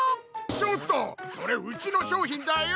ちょっとそれうちのしょうひんだよ！